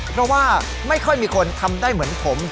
เพราะว่าไม่ค่อยมีคนทำได้เหมือนผม